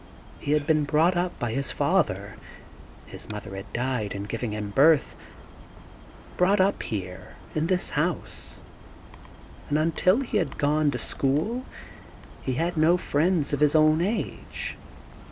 He had been brought up by his father (his mother had died in giving him birth), brought up here, in this house; and until he had gone to school he had had no friend of his own age.